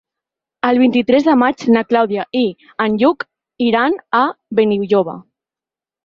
El vint-i-tres de maig na Clàudia i en Lluc iran a Benilloba.